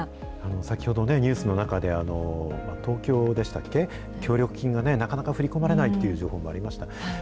先ほどね、ニュースの中で、東京でしたっけ、協力金がなかなか振り込まれないっていう情報もありました。